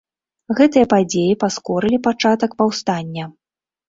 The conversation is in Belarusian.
Гэтыя падзеі паскорылі пачатак паўстання.